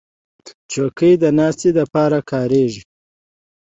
چوکۍ د ناستې لپاره کارېږي.